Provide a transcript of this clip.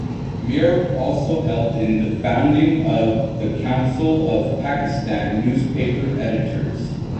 Mir also helped in the founding of the Council of Pakistan Newspaper Editors.